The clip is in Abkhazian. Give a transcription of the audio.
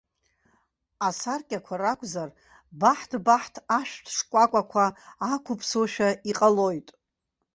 Асаркьақәа ракәзар, баҳҭ-баҳҭ ашәҭ шкәакәақәа ақәыԥсоушәа иҟалоит.